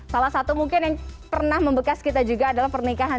salah satu mungkin yang pernah membekas kita juga adalah pernikahan